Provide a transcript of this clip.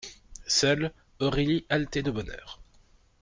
Seule, Aurélie haletait de bonheur.